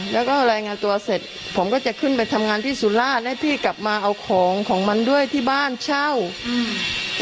แล้วก็รายงานตัวเสร็จผมก็จะขึ้นไปทำงานที่สุราชให้พี่กลับมาเอาของของมันด้วยที่บ้านเช่าอืม